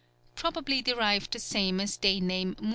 _ Probably derived the same as day name Muluc.